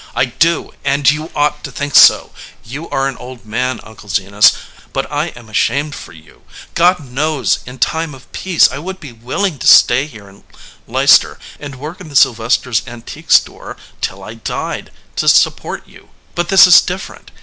"I do, and you ought to think so. You are an old man, Uncle Zenas, but I am ashamed for you. God knows, in time of peace I would be willing to stay here in Leicester and work in the Sylvesters antique store till I died, to support you ; but this is differ ent.